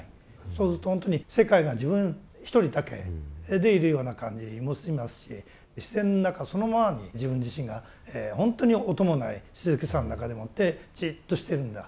そうするとほんとに世界が自分一人だけでいるような感じもしますし自然の中そのままに自分自身がほんとに音もない静けさの中でもってじっとしてるんだ。